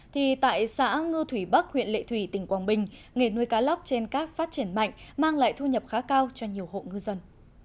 thì tại xã ngư thủy bắc huyện lệ thủy tỉnh quảng bình nghề nuôi cá lóc trên các phát triển mạnh mang lại thu nhập khá cao cho nhiều hộ ngư dân